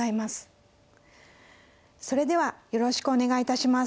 それではよろしくお願いいたします。